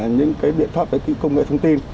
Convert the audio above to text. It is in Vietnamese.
những biện pháp công nghệ thông tin